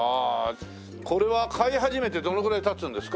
これは飼い始めてどのぐらい経つんですか？